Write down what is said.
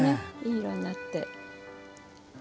いい色になって。